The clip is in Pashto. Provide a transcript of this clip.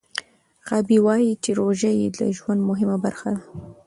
غابي وايي چې روژه یې د ژوند مهمه برخه ده.